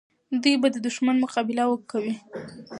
دوی به د دښمن مقابله کوي.